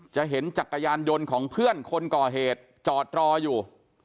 จะเห็นจักรยานยนต์ของเพื่อนคนก่อเหตุจอดรออยู่